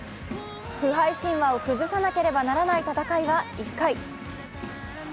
不敗神話を崩さなければならない戦いは１回。